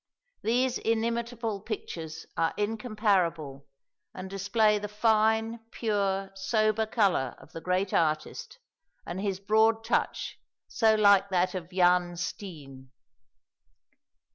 These inimitable pictures are incomparable, and display the fine, pure, sober colour of the great artist, and his broad touch so like that of Jan Steen.